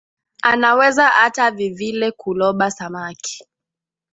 Anaweza ata vivile ku loba samaki